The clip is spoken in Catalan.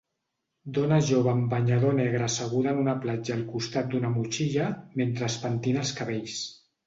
Dona jove amb banyador negre asseguda en una platja al costat d'una motxilla mentre es pentina els cabells.